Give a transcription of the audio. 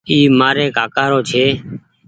اي مآري ڪآڪآ رو ڇي۔